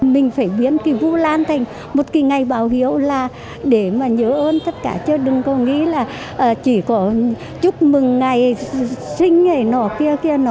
mình phải biến cái vu lan thành một cái ngày báo hiếu là để mà nhớ ơn tất cả chứ đừng có nghĩ là chỉ có chúc mừng ngày sinh này nọ kia kia nọ